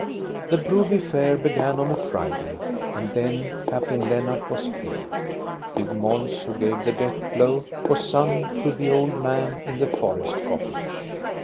The Broby Fair began on a Friday, and then Cap tain Lennart was killed. Big Mons, who gave the death blow, was son to the old man in the forest cottage.